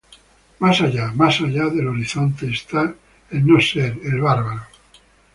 Más allá, más allá del horizonte, está el no-ser, el bárbaro.